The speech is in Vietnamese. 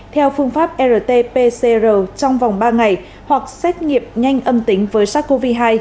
theo phương pháp rt pcr trong vòng ba ngày hoặc xét nghiệm nhanh âm tính với sars cov hai